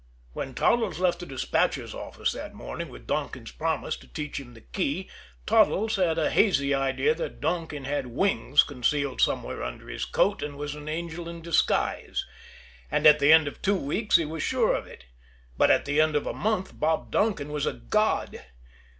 When Toddles left the despatcher's office that morning with Donkin's promise to teach him the key, Toddles had a hazy idea that Donkin had wings concealed somewhere under his coat and was an angel in disguise; and at the end of two weeks he was sure of it. But at the end of a month Bob Donkin was a god!